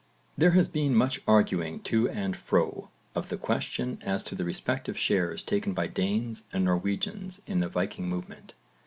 There has been much arguing to and fro of the question as to the respective shares taken by Danes and Norwegians in the Viking movement.